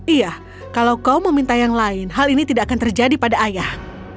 iya kalau kau meminta yang lain hal ini tidak akan terjadi pada ayah